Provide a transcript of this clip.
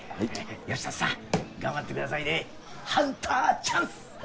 ヨシタツさん頑張ってくださいねハンターチャンス！